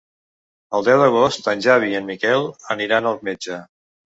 El deu d'agost en Xavi i en Miquel aniran al metge.